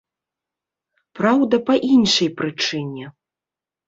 Праўда, па іншай прычыне.